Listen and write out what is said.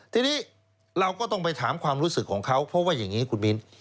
ทีนี้เราก็ต้องไปถามความรู้สึกของเขาเพราะว่าอย่างนี้คุณมิ้น